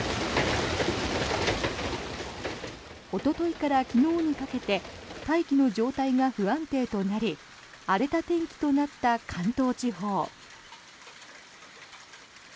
おとといから昨日にかけて大気の状態が不安定となり荒れた天気となった関東地方。